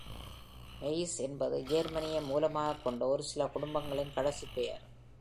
Meise என்பது ஜெர்மனியை மூலமாகக் கொண்ட ஒரு சில குடும்பங்களின் கடைசி பெயர்.